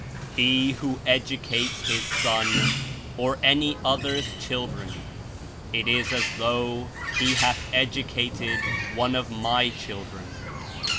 "He who educates his son, or any other's children, it is as though he hath educated one of My children.